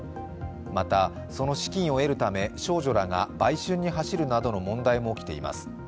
また、その資金を得るため、少女らが売春に走るなどの問題も起きています。